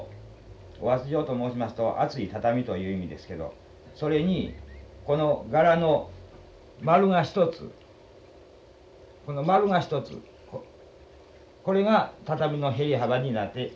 お厚畳と申しますと厚い畳という意味ですけどそれにこの柄の丸が一つこの丸が一つこれが畳の縁幅になってつけてございます。